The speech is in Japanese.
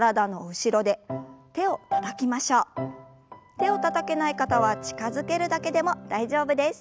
手をたたけない方は近づけるだけでも大丈夫です。